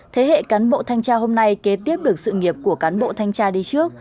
thế hệ cán bộ thanh tra hôm nay kế tiếp được sự nghiệp của cán bộ thanh tra đi trước